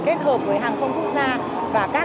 kết hợp với hàng không quốc gia và các đối tác